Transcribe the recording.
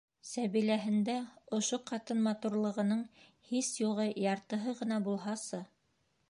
Уның Сәбиләһендә ошо ҡатын матурлығының һис юғы яртыһы ғына булһасы...